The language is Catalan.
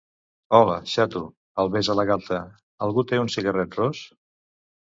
Hola, xato –el besa a la galta–, algú té un cigarret ros?